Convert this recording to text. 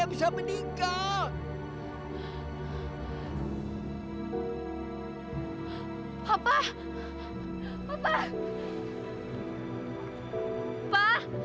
papa di mana